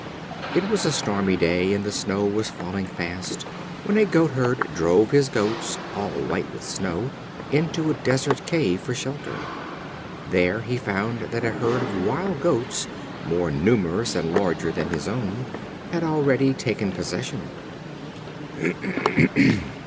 It was a stormy day, and the snow was falling fast, when a Goatherd drove his Goats, all white with snow, into a desert cave for shelter. There he found that a herd of Wild Goats, more numerous and larger than his own, had already taken possession.